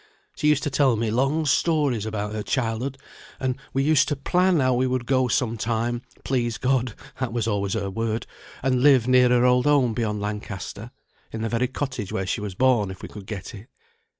She used to tell me long stories about her childhood, and we used to plan how we would go sometime, please God (that was always her word), and live near her old home beyond Lancaster; in the very cottage where she was born if we could get it.